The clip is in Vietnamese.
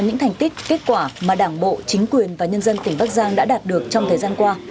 những thành tích kết quả mà đảng bộ chính quyền và nhân dân tỉnh bắc giang đã đạt được trong thời gian qua